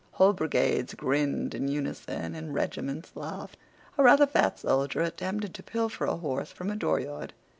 Whole brigades grinned in unison, and regiments laughed. A rather fat soldier attempted to pilfer a horse from a dooryard.